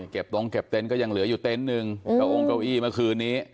ตรงเก็บเต็นต์ก็ยังเหลืออยู่เต็นต์หนึ่งเก้าองเก้าอี้เมื่อคืนนี้